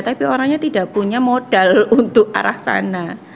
tapi orangnya tidak punya modal untuk arah sana